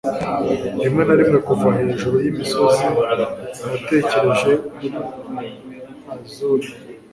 rimwe na rimwe kuva hejuru yimisozi natekereje kuri azure